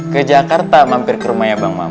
ke jakarta mampir ke rumah ya bang mam